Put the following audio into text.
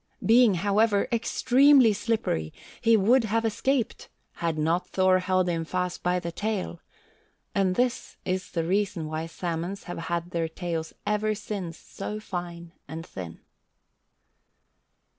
Being, however, extremely slippery, he would have escaped had not Thor held him fast by the tail, and this is the reason why salmons have had their tails ever since so fine and thin.